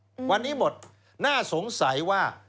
อืมวันนี้หมดน่าสงสัยว่า